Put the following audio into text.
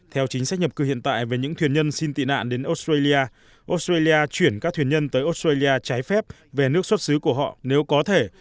theo chính sách nhập cư hiện tại về những thuyền nhân xin tị nạn đến australia chuyển các thuyền nhân tới australia trái phép về nước xuất xứ của họ nếu có thể